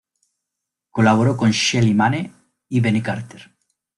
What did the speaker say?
Colaboró con Shelly Manne y Benny Carter.